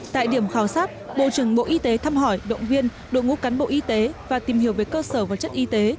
tại điểm khảo sát bộ trưởng bộ y tế thăm hỏi động viên đội ngũ cán bộ y tế và tìm hiểu về cơ sở vật chất y tế